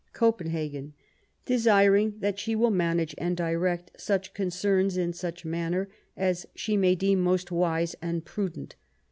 Copen hagen, desiring that she will manage and direct such concerns in such manner as she may deem most wise and prudent.